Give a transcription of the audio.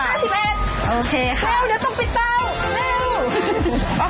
เร็วต้องเร็ว